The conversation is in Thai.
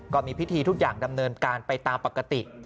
ก็มีพิธีทุกอย่างดำเนินการไปตามปกติ